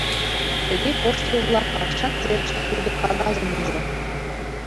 Тыге коштшыжла, Какшан серыште тудо кагазым ужо.